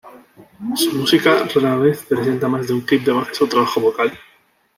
Su música rara vez presenta más de un clip de voces o trabajo vocal.